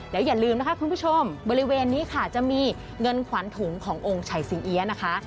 เดี๋ยวอย่าลืมนะคะคุณผู้ชมบริเวณนี้ค่ะจะมีเงินขวัญถุงขององค์ชัยสิงเอี๊ยะนะคะ